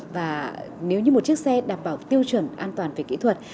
và nếu như một chiếc xe đảm bảo tiêu chuẩn an toàn về kỹ thuật